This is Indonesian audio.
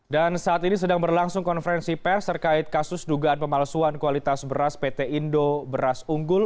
dan saat ini sedang berlangsung konferensi pers terkait kasus dugaan pemalsuan kualitas beras pt indo beras unggul